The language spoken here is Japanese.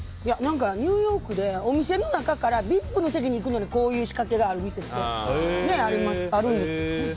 ニューヨーク、お店の中からＶＩＰの席に行くのにこういう仕掛けがある店ってあるんですけど。